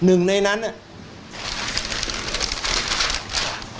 หนึ่งในนั้นน่ะ